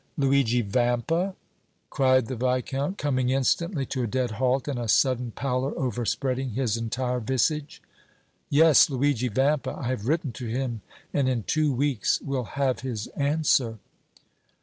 "Luigi Vampa!" cried the Viscount, coming instantly to a dead halt, and a sudden pallor overspreading his entire visage. "Yes, Luigi Vampa; I have written to him and in two weeks will have his answer!"